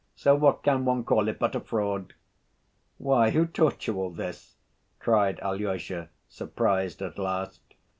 So what can one call it but a fraud?" "Why, who taught you all this?" cried Alyosha, surprised at last.